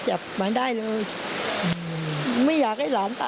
มันไม่น่าเป็นความประหลาด